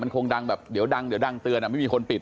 คงดังแบบเดี๋ยวดังเดี๋ยวดังเตือนไม่มีคนปิด